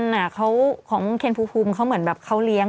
ของเคนภูมิเขาเหมือนแบบเขาเลี้ยง